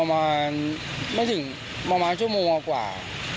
ประมาณไม่ถึงประมาณชั่วโมงกว่า